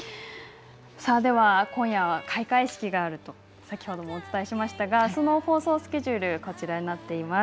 今夜は開会式があると先ほどもお伝えしましたがその放送スケジュールです。